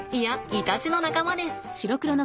イタチの仲間です。